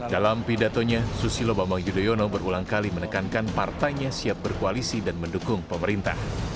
dalam pidatonya susilo bambang yudhoyono berulang kali menekankan partainya siap berkoalisi dan mendukung pemerintah